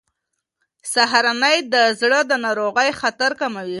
سهارنۍ د زړه د ناروغۍ خطر کموي.